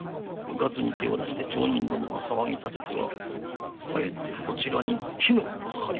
うかつに手を出して町人どもが騒ぎたててはかえってこちらに火の粉がかかります。